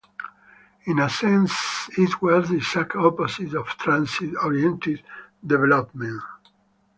In a sense it was the exact opposite of transit-oriented development.